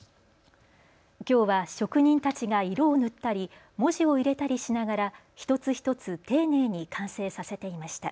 きょうは職人たちが色を塗ったり文字を入れたりしながら一つ一つ丁寧に完成させていました。